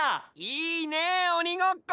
いいねおにごっこ！